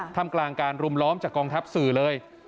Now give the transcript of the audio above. ทำกลางการรุมล้อมจากกองทัพสื่อเลย